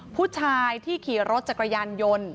ผู้ชายที่ขี่รถจักรยานยนต์